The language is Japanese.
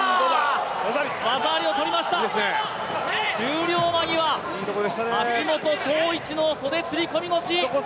技ありをとりました、終了間際、橋本壮市の袖釣り込み腰！